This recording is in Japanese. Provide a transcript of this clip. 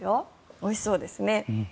おいしそうですね。